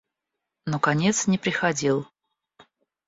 Но конец не приходил.